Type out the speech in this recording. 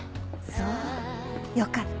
そうよかった。